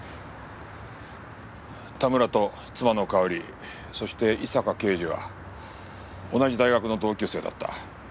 田村と妻の香織そして井坂刑事は同じ大学の同級生だった。